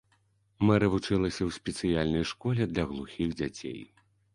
Мэры вучылася ў спецыяльнай школе для глухіх дзяцей.